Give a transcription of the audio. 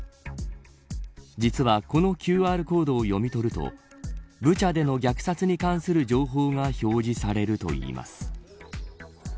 実はこのＱＲコードを読み取るとブチャでの虐殺に関する情報が表示されるといいます。